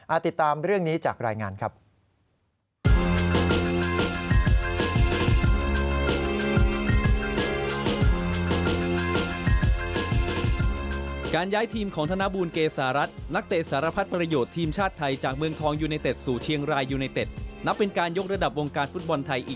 ติดตามเรื่องนี้จากรายงานครับ